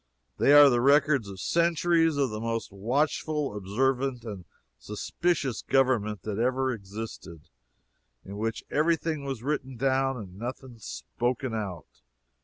"They are the records of centuries of the most watchful, observant and suspicious government that ever existed in which every thing was written down and nothing spoken out."